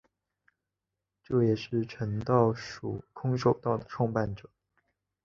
也是诚道塾空手道的创办者。